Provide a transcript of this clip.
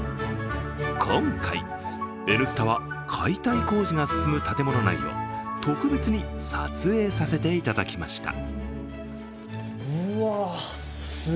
今回、「Ｎスタ」は解体工事が進む建物内を特別に撮影させていただきました。